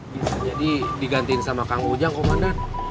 bisa jadi digantiin sama kang ujang komandan